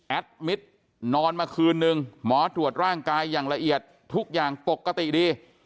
มิตรนอนมาคืนนึงหมอตรวจร่างกายอย่างละเอียดทุกอย่างปกติดี